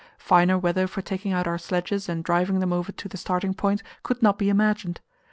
Finer weather for taking out our sledges and driving them over to the starting point could not be imagined.